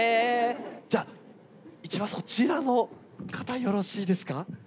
じゃあ一番そちらの方よろしいですか？